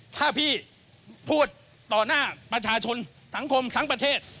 ถ้าพี่พูดต่อหน้าประชาชนสังคมทั้งประเทศ